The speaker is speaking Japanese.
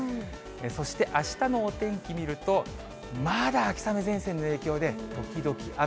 そして、あしたのお天気見ると、まだ秋雨前線の影響で、時々雨。